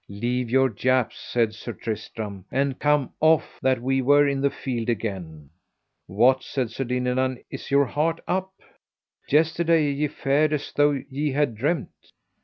Leave your japes, said Sir Tristram, and come off, that [we] were in the field again. What, said Sir Dinadan, is your heart up? yesterday ye fared as though ye had dreamed.